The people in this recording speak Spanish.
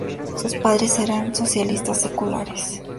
Sus padres eran socialistas seculares.